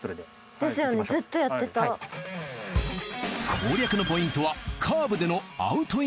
攻略のポイントは。